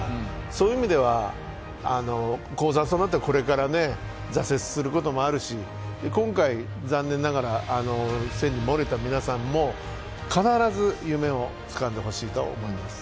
そういう意味では、幸澤さんだってこれから挫折することもあるし、今回、残念ながら選にもれた皆さんも必ず夢をつかんでほしいと思います。